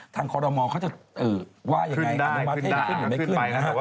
ทางคอร์โดมอลเขาจะว่ายังไงขึ้นได้ขึ้นได้ขึ้นไปนะครับ